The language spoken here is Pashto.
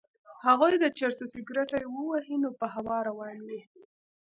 هغوی د چرسو سګرټی ووهي نو په هوا روان وي.